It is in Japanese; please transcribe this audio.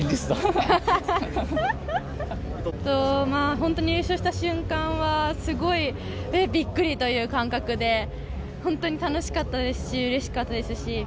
本当に優勝した瞬間はすごいビックリという感覚で本当に楽しかったですしうれしかったですし。